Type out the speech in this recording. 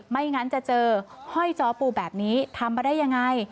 ไม่งั้นจะเจอห้อยจอปูแบบนี้ทำมาได้ยังไง